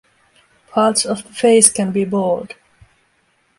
Parts of the face can be bald.